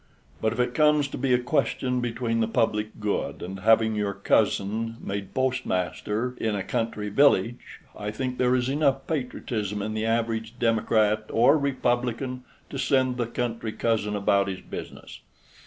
But if it comes to be a question between the public good and having your cousin made postmaster in a country village, I think there is enough patriotism in the average Democrat or Republican to send the country cousin about his business.